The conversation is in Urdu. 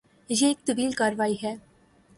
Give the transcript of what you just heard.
یہ ایک طویل کارروائی ہے۔